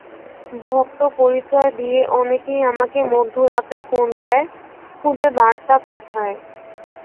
ভক্ত পরিচয় দিয়ে অনেকেই আমাকে মধ্যরাতে ফোন দেয়, খুদে বার্তা পাঠায়।